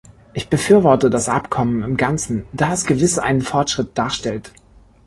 Ich befürworte das Abkommen im ganzen, da es gewiss einen Fortschritt darstellt.